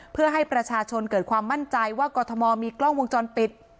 เพื่อให้ประชาชนเกิดความมั่นใจว่ากรทมมีกล้องวงจรปิด